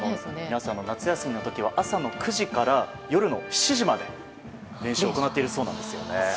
皆さん夏休みの時は朝の９時から夜の７時まで練習を行っているそうなんです。